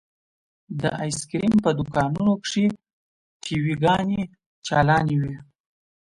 د ايسکريم په دوکانونو کښې ټي وي ګانې چالانې وې.